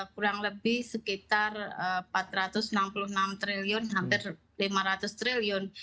kurang lebih sekitar rp empat ratus enam puluh enam triliun hampir lima ratus triliun